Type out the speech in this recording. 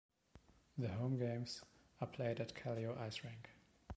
The home games are played at Kallio Ice Rink.